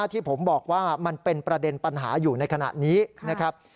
ที่ผมบอกว่ามันเป็นประเด็นปัญหาอยู่ในขณะนี้นะครับ